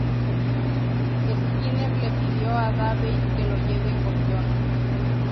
Skinner le pide a Davey que lo lleve con John.